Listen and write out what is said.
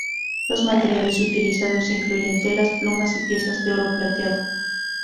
Los materiales utilizados incluyen telas, plumas y piezas de oro plateado.